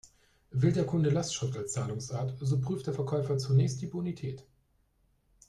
Wählt der Kunde Lastschrift als Zahlungsart, so prüft der Verkäufer zunächst die Bonität.